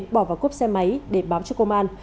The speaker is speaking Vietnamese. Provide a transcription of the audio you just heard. bỏ vào cốp xe máy để báo cho công an